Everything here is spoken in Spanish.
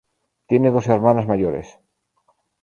Tiene dos hermanas mayores.